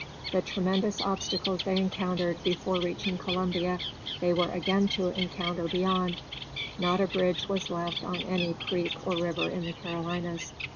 The tremendous obstacles they encountered before reaching Columbia they were again to encounter beyond. Not a bridge was left on any creek or river in the Carolinas.